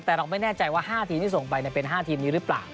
แต่เราไม่แน่ใจว่า๕ทีมที่ส่งไปเป็น๕ทีมนี้หรือเปล่า